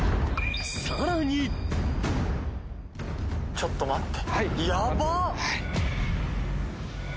ちょっと待って。